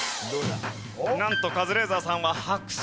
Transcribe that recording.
なんとカズレーザーさんは白紙。